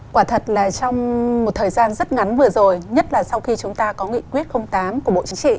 quả thật là trong một thời gian rất ngắn vừa rồi nhất là sau khi chúng ta có nghị quyết tám của bộ chính trị